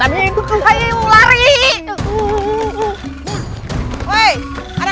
hai tuhan namun apa apa